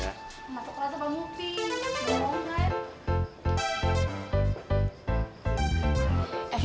masuk kereta pak mufi